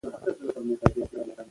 تعليم ماشوم ته د ژوند مهارتونه ورکوي.